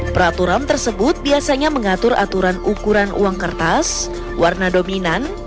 peraturan tersebut biasanya mengatur aturan ukuran uang kertas warna dominan